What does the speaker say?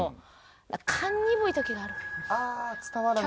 ああ伝わらない？